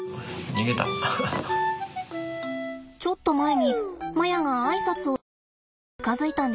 ちょっと前にマヤが挨拶をしようって近づいたんですって。